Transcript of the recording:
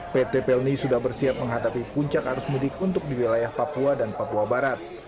pt pelni sudah bersiap menghadapi puncak arus mudik untuk di wilayah papua dan papua barat